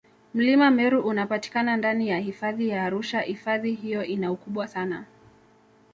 Mlima Meru unapatikana ndani ya Hifadhi ya Arusha ifadhi hiyo ina ukubwa sana